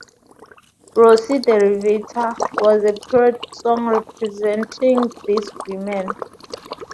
"Rosie the Riveter" was a period song representing these women.